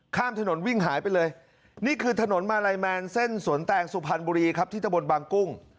ข้ามถนนวิ่งหายไปเลยนี่คือถนนมาลัยแมนเส้นสวนแตงสุพรรณบุรีครับที่ตะบนบางกุ้ง